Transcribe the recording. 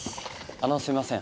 あのすみません。